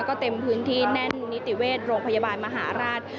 ก็เต็มพื้นที่แน่นนิติเวชโรงพยาบาลมหาราช